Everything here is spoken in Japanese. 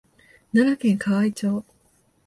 奈良県河合町